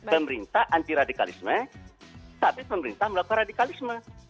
pemerintah anti radikalisme tapi pemerintah melakukan radikalisme